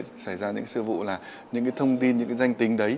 sẽ xảy ra những sự vụ là những thông tin những danh tính đấy